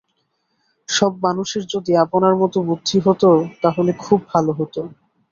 সব মানুষের যদি আপনার মতো বুদ্ধি হত, তাহলে খুব ভালো হত।